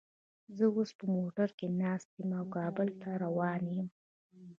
زه اوس په موټر کې ناست یم او کابل ته روان یم